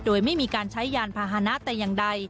โดยไม่มีการใช้ยานพาหนะแต่อย่างใด